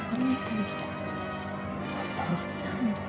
また？